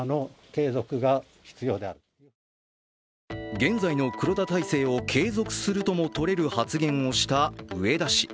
現在の黒田体制を継続するともとれる発言をした植田氏。